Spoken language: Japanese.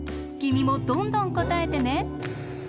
きみもどんどんこたえてね。